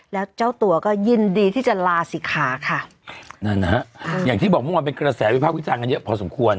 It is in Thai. แล้วเจ้าตัวก็ยินดีที่จะลาศิกขาค่ะนั่นนะฮะอย่างที่บอกเมื่อวานเป็นกระแสวิภาพวิจารณ์กันเยอะพอสมควร